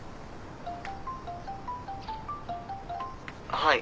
はい。